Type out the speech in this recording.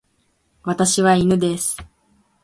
私は犬です。